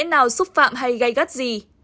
nghĩa nào xúc phạm hay gây gắt gì